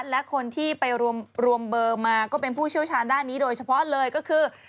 และคนที่ไปรวมเบอร์มาก็เป็นผู้เชี่ยวชาญด้านนี้โดยเฉพาะเลยก็คือ